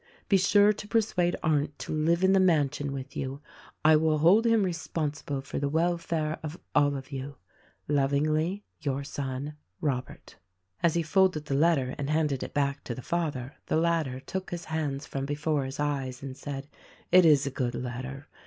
"Be sure to persuade Arndt to live in the mansion with you. I will hold him responsible for the welfare of all of you. Lovinglv your son, ROBERT." As he folded the letter and handed it back to the father the latter took his hands from before his eyes and said : "It is a good letter.